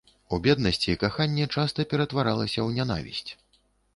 У беднасці каханне часта ператваралася ў нянавісць.